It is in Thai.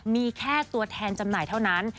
มีแค่ตัวแทนจำหน่ายเท่านั้น